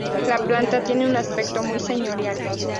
La planta tiene un aspecto muy señorial.